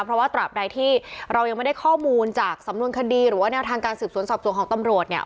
เพราะว่าตราบใดที่เรายังไม่ได้ข้อมูลจากสำนวนคดีหรือว่าแนวทางการสืบสวนสอบสวนของตำรวจเนี่ย